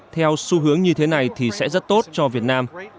theo xu hướng như thế này thì sẽ rất tốt cho việt nam